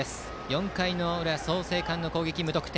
４回の裏、創成館の攻撃は無得点。